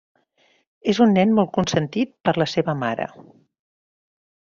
És un nen molt consentit per la seva mare.